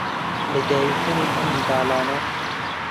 لەدایکبوونی ئەم منداڵانە